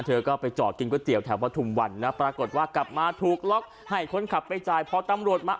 เธอก็ไปจอดกินก๋วเตี๋ยแถวประทุมวันนะปรากฏว่ากลับมาถูกล็อกให้คนขับไปจ่ายพอตำรวจมา